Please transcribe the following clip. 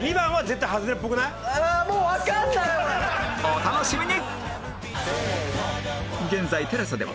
お楽しみに！